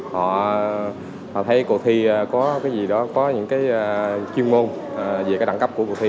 họ thấy cuộc thi có những chuyên môn về đẳng cấp của cuộc thi